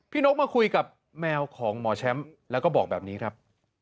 นกมาคุยกับแมวของหมอแชมป์แล้วก็บอกแบบนี้ครับ